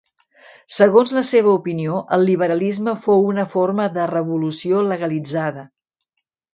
Segons la seva opinió, el liberalisme fou una forma de revolució legalitzada.